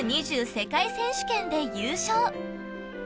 世界選手権で優勝！